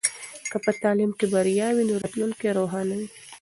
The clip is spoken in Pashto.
که په تعلیم کې بریا وي نو راتلونکی روښانه وي.